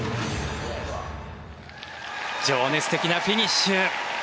情熱的なフィニッシュ。